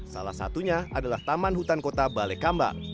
salah satunya adalah taman hutan kota balekambang